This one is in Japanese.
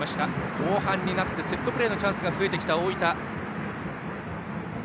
後半になってセットプレーのチャンスが増えてきた大分。